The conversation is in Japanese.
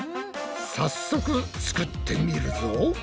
早速作ってみるぞ。